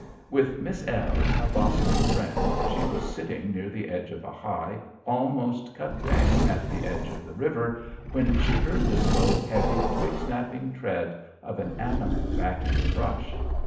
With Miss L , a Boston friend, she was sitting near the edge of a high, almost cutbank at the edge of the river, when she heard the slow, heavy, twig snapping tread of an animal back in the brush.